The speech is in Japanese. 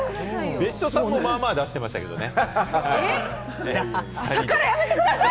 別所さんも、まあまあ、出してましたけれどもね。